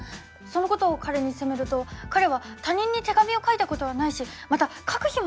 そのことを彼に責めると彼は他人に手紙を書いたことはないしまた書く暇もないと言うのです。